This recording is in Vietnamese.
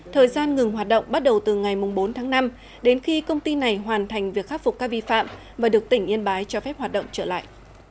thời gian ngừng hoạt động bắt đầu từ ngày bốn tháng năm đến khi công ty này hoàn thành việc khắc phục các vi phạm và được tỉnh yên bái cho phép hoạt động trở lại